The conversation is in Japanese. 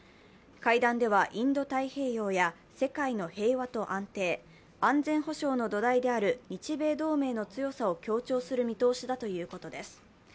会談ではインド太平洋や世界の平和と安定、安全保障の土台である日米同盟の強さを強調する見通しだということです。